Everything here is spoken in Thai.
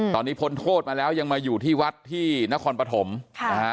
ตอนนี้พ้นโทษมาแล้วยังมาอยู่ที่วัดที่นครปฐมค่ะนะฮะ